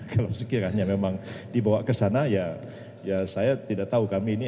kalau sekiranya memang dibawa ke sana ya saya tidak tahu kami ini